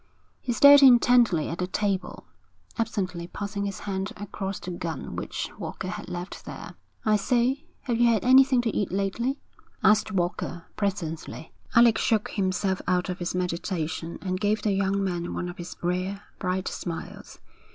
He stared intently at the table, absently passing his hand across the gun which Walker had left there. 'I say, have you had anything to eat lately?' asked Walker, presently. Alec shook himself out of his meditation and gave the young man one of his rare, bright smiles.